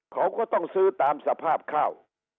เขาก็ต้องซื้อตามสภาพข้าว